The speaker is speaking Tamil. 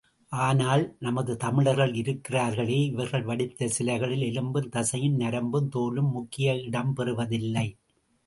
ஆனால், நமது தமிழர்கள் இருக்கிறாரகளே, இவர்கள் வடித்த சிலைகளில் எலும்பும், தசையும், நரம்பும், தோலும் முக்கிய இடம் பெறுவதில்லை.